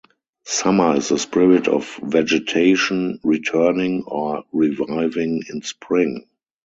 Summer is the spirit of vegetation returning or reviving in spring.